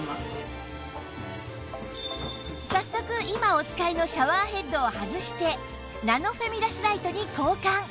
早速今お使いのシャワーヘッドを外してナノフェミラスライトに交換